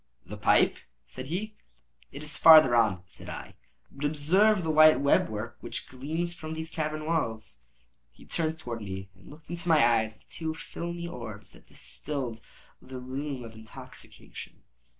"The pipe," said he. "It is farther on," said I; "but observe the white web work which gleams from these cavern walls." He turned towards me, and looked into my eyes with two filmy orbs that distilled the rheum of intoxication.